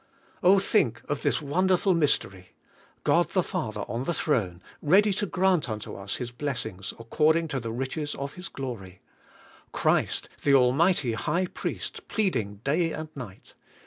Oh, think of this wonderful mystery, God the Father on the throne ready to grant unto us His blessings according to the riches of His glory ; Christ the almighty high priest pleading day and night.